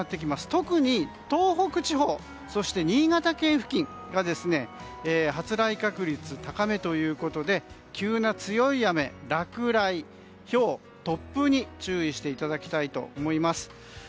特に東北地方そして新潟県付近が発雷確率高めということで急な強い雨、落雷ひょう、突風に注意していただきたいと思います。